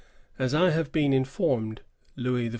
"As I have been informed," Louis XIV.